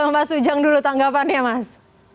mas ujang dulu tanggapannya mas